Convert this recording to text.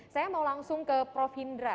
saya mau langsung ke prof hindra